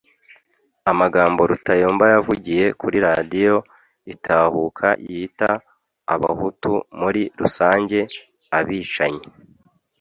amagambo Rutayomba yavugiye kuri Radio Itahuka yita abahutu muri rusange abicanyi,